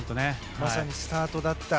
まさにスタートだった。